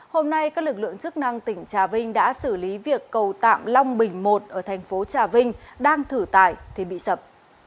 hôm nay các lực lượng chức năng tỉnh trà vinh đã xử lý việc cầu tạm long bình một ở thành phố trà vinh đang thử tải thì bị sập